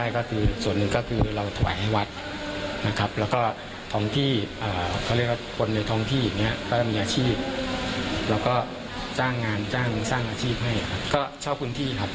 เขาเรียกว่าคนในท้องที่อย่างนี้ก็จะมีอาชีพแล้วก็จ้างงานจ้างอาชีพให้ก็เช่าพื้นที่ครับ